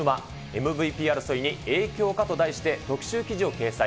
ＭＶＰ争いに影響かと題して、特集記事を掲載。